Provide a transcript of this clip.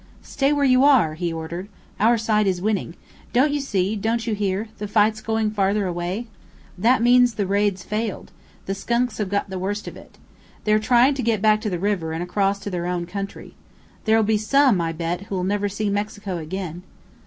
"Stay where you are!" he ordered. "Our side is winning. Don't you see don't you hear the fight's going farther away? That means the raid's failed the skunks have got the worst of it. They're trying to get back to the river and across to their own country. There'll be some, I bet, who'll never see Mexico again!"